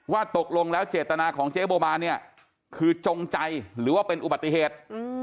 ว่าตกลงแล้วเจตนาของเจ๊โบมานเนี่ยคือจงใจหรือว่าเป็นอุบัติเหตุ